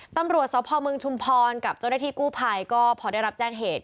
ตำรวจสพเมืองชุมพรกับเจ้าหน้าที่กู้ภัยก็พอได้รับแจ้งเหตุ